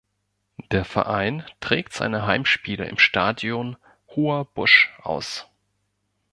Der Verein trägt seine Heimspiele im Stadion „Hoher Busch“ aus.